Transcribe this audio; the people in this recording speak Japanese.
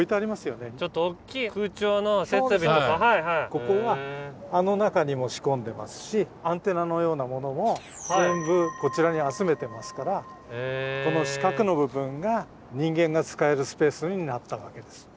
ここはあの中にも仕込んでますしアンテナのようなものも全部こちらに集めてますからこの四角の部分が人間が使えるスペースになったわけです。